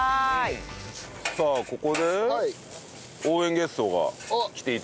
さあここで応援ゲストが来て頂いてるんです。